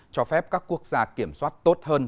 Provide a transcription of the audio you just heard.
cho phép các quốc gia kiểm soát tốt hơn